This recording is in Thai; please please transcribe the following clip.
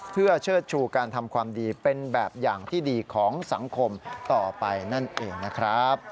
เพื่อเชิดชูการทำความดีเป็นแบบอย่างที่ดีของสังคมต่อไปนั่นเองนะครับ